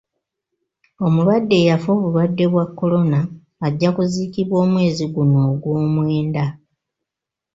Omulwadde eyafa obulwadde bwa kolona ajja kuziikibwa omwezi guno ogw'omwenda